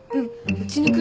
うちに来るたび